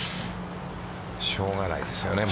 しょうがないですよね。